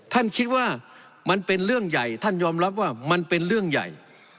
ท่านคิดว่ามันเป็นเรื่องใหญ่ท่านยอมรับว่ามันเป็นเรื่องใหญ่